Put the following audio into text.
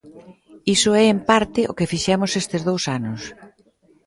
Iso é en parte o que fixemos estes dous anos.